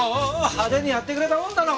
派手にやってくれたもんだな